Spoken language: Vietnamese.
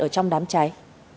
ở trong đám cháy